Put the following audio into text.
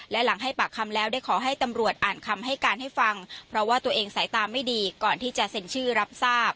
และหลังให้ปากคำแล้วได้ขอให้ตำรวจอ่านคำให้การให้ฟังเพราะว่าตัวเองสายตาไม่ดีก่อนที่จะเซ็นชื่อรับทราบ